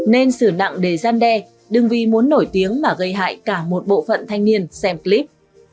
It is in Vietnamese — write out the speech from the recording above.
nên sử nặng đề gian đe đừng vì muốn nổi tiếng mà gây hại cả một bộ phận thanh niên xem clip